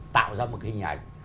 tạo ra một cái hình ảnh